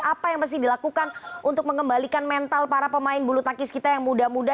apa yang mesti dilakukan untuk mengembalikan mental para pemain bulu tangkis kita yang muda muda